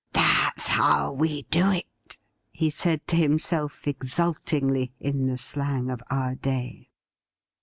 ' That's how we do it !' he said to himself exultingly, in the slang of our day.